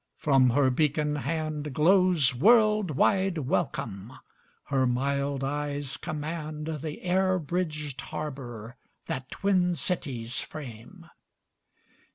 From her beacon hand Glows world wide welcome; her mild eyes command The air bridged harbor that twin cities frame.